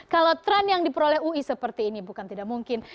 kalau tren yang diperoleh ui seperti ini bukan tidak mungkin